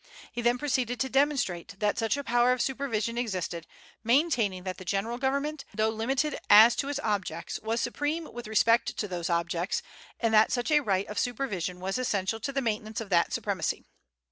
He then proceeded to demonstrate that such a power of supervision existed, maintaining that the general government, though limited as to its objects, was supreme with respect to those objects, and that such a right of supervision was essential to the maintenance of that supremacy.